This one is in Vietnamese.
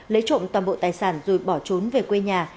lấy trộm toàn bộ tài sản rồi bỏ trốn về quê nhà